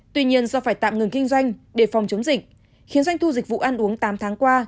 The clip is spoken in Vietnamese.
tuy nhiên do phải tạm ngừng kinh doanh để phòng chống dịch khiến doanh thu dịch vụ ăn uống tám tháng qua